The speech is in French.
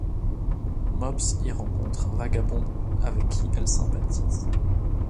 Mops y rencontre un vagabond avec qui elle sympathise.